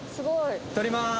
撮りまーす！